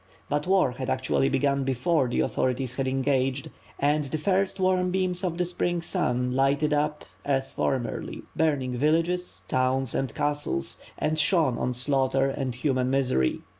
But war had actually begun before the authorities had env gaged, and the first warm beams of the spring sun lighted up, as formerly, burning villages, towns, and castles; and shone on slaughter and human misery.